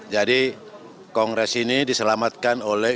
jadi kongres ini diselamatkan oleh